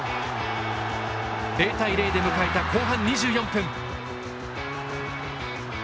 ０対０で迎えた後半２４分。